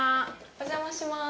お邪魔します。